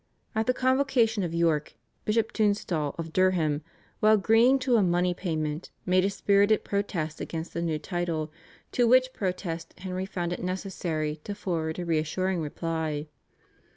At the Convocation of York, Bishop Tunstall of Durham, while agreeing to a money payment, made a spirited protest against the new title, to which protest Henry found it necessary to forward a reassuring reply.